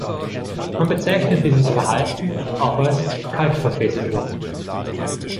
Man bezeichnet dieses Verhalten auch als "Kaltverfestigung".